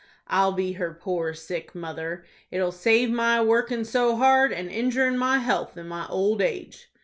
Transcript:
I'll be her poor sick mother. It'll save my workin' so hard, and injurin' my health in my old age."